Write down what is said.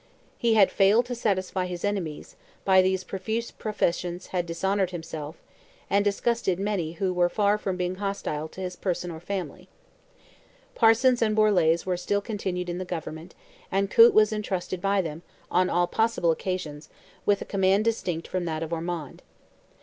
He had failed to satisfy his enemies, by these profuse professions had dishonoured himself, and disgusted many who were far from being hostile to his person or family. Parsons and Borlase were still continued in the government, and Coote was entrusted by them, on all possible occasions, with a command distinct from that of Ormond.